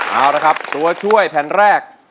เอาละครับตัวช่วยแผ่นแรก